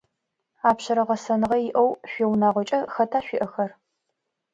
Апшъэрэ гъэсэныгъэ иӏэу шъуиунагъокӏэ хэта шъуиӏэхэр?